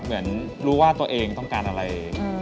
เหมือนรู้ว่าตัวเองต้องการอะไร